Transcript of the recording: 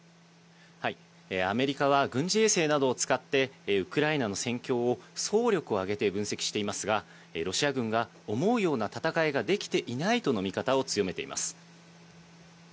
アメリカは軍事衛星などを使ってウクライナの戦況を総力を挙げて分析していますが、ロシア軍が思うような戦いができていないとの見方を強めています。